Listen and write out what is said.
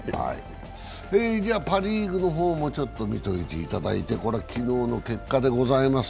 パ・リーグの方も見ておいていただいて、これ、昨日の結果でございます。